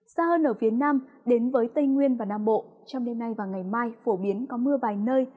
xa hơn ở phía nam đến với tây nguyên và nam bộ trong đêm nay và ngày mai phổ biến có mưa vài nơi